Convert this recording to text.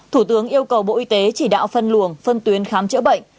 thủ tướng yêu cầu bộ y tế chỉ đạo phân luồng phân tuyến khám chữa bệnh